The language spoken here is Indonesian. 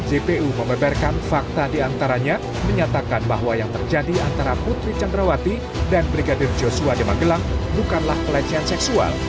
jpu membeberkan fakta diantaranya menyatakan bahwa yang terjadi antara putri candrawati dan brigadir joshua di magelang bukanlah pelecehan seksual